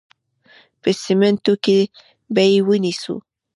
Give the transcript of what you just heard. په سمینټو کې به یې ونیسو.